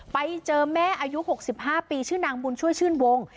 ไปเจอแม่อายุ๖๕ปีชื่อนางบุญช่วยชื่นวง